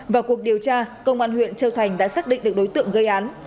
vào cuộc điều tra công an huyện châu thành đã xác định được đối tượng gây án